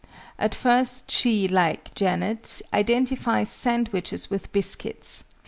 At first she (like JANET) identifies sandwiches with biscuits.